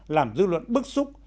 làm dư luận bức xúc